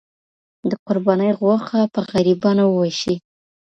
د قربانۍ غوښه په غریبانو وویشئ.